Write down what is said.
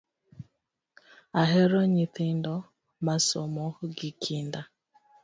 Ahero nyithindo masomo gi kinda